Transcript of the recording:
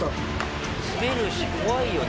「滑るし怖いよね